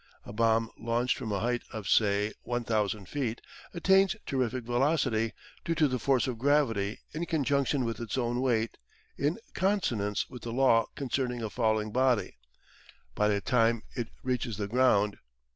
A bomb launched from a height of say 1,000 feet attains terrific velocity, due to the force of gravity in conjunction with its own weight, in consonance with the law concerning a falling body, by the time it reaches the ground.